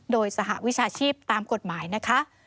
โดยสหวิชาชีพตามกฎหมายนะคะ